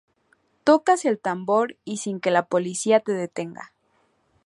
tocas el tambor y sin que la policía te detenga